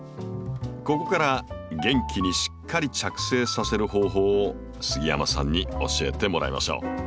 ここから元気にしっかり着生させる方法を杉山さんに教えてもらいましょう。